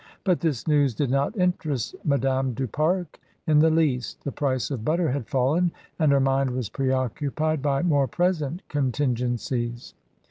but this news did not interest Madame du Pare i: the least. The price of butter had faUen, and be: mind was preoccupied by more present contic' gencies.